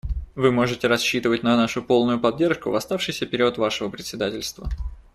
Вы можете рассчитывать на нашу полную поддержку в оставшийся период вашего председательства.